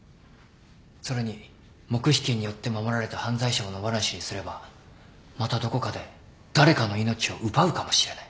それに黙秘権によって守られた犯罪者を野放しにすればまたどこかで誰かの命を奪うかもしれない。